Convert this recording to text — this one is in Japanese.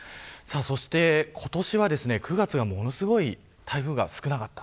そして今年は、９月がものすごい台風が少なかった。